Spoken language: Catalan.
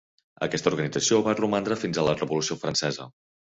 Aquesta organització va romandre fins a la Revolució Francesa.